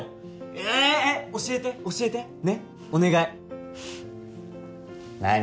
えっ教えて教えてねっお願い何？